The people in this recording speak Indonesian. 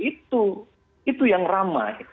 itu itu yang ramai